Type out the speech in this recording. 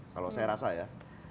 kalau saya rasa ya